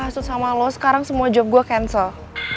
masuk sama lo sekarang semua job gue cancel